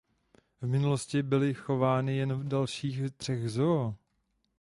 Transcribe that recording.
V minulosti byly chovány jen v dalších třech zoo.